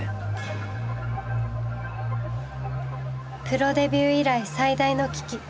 プロデビュー以来最大の危機。